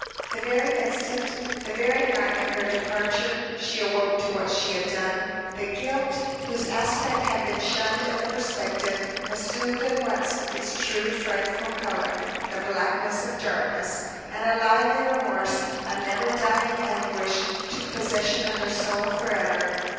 The very instant the very night of her departure, she awoke to what she had done. The guilt, whose aspect had been shunned in the prospective, assumed at once its true frightful color, the blackness of darkness; and a lively remorse, a never dying anguish, took possession of her soul forever.